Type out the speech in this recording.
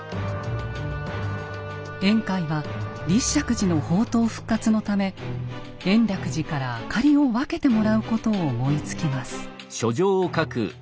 円海は立石寺の法灯復活のため延暦寺から灯りを分けてもらうことを思いつきます。